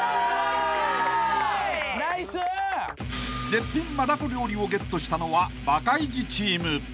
［絶品マダコ料理をゲットしたのはバカイジチーム］